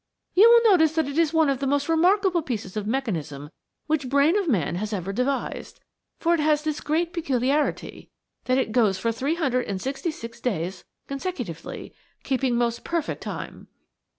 You will notice that it is one of the most remarkable pieces of mechanism which brain of man has ever devised, for it has this great peculiarity, that it goes for three hundred and sixty six days consecutively, keeping most perfect time.